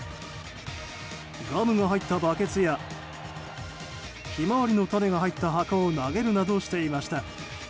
ガムが入ったバケツやヒマワリの種が入った箱などを投げるなどしていました。